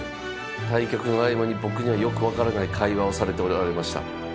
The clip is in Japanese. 対局の合間に僕にはよく分からない会話をされておられました。